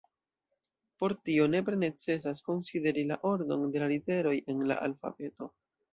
Por tio nepre necesas konsideri la ordon de la literoj en la alfabeto.